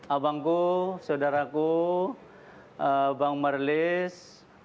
abangku saudaraku bang merlis